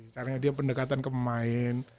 karena dia pendekatan ke pemain